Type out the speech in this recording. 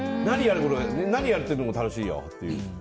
何やってるのが楽しいよっていう。